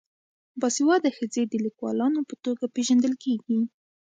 باسواده ښځې د لیکوالانو په توګه پیژندل کیږي.